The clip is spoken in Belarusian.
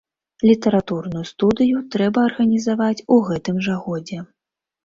Літаратурную студыю трэба арганізаваць у гэтым жа годзе.